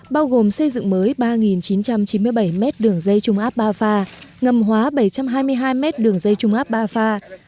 bao gồm xây dựng mới ba chín trăm chín mươi bảy mét đường dây trung áp ba pha ngầm hóa bảy trăm hai mươi hai mét đường dây trung áp ba pha